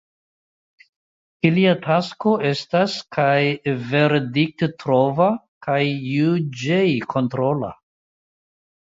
Ilia tasko estas kaj verdikttrova kaj juĝejkontrola.